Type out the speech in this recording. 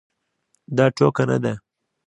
دا ټوکه نه ده.